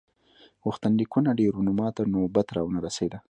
غوښتنلیکونه ډېر وو نو ماته نوبت را ونه رسیده.